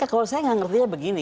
kalau saya gak ngerti ya begini